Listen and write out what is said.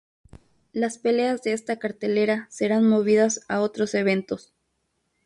Las peleas de esta cartelera serán movidas a otros eventos.